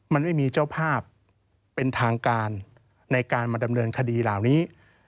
มันไม่มีเจ้าภาพเป็นทางการในการมาดำเนินคดีเหล่านี้